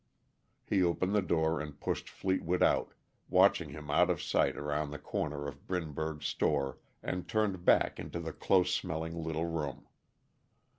He opened the door and pushed Fleetwood out, watched him out of sight around the corner of Brinberg's store, and turned back into the close smelling little room.